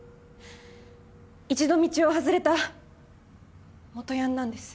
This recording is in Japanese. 一度道を外れた元ヤンなんです。